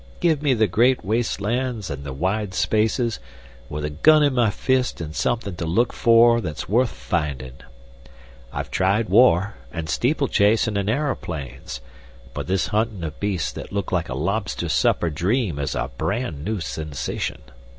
Give me the great waste lands and the wide spaces, with a gun in my fist and somethin' to look for that's worth findin'. I've tried war and steeplechasin' and aeroplanes, but this huntin' of beasts that look like a lobster supper dream is a brand new sensation."